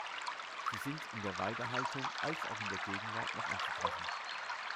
Sie sind in der Weidehaltung auch in der Gegenwart noch anzutreffen.